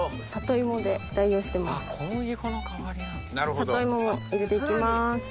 里芋を入れて行きます。